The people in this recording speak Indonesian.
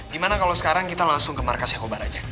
gimana kalau sekarang kita langsung ke markas yang kobar aja